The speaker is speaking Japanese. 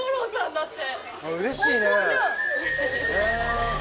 だって。